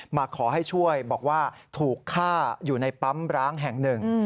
มาขอให้ช่วยบอกว่าถูกฆ่าอยู่ในปั๊มร้างแห่งหนึ่ง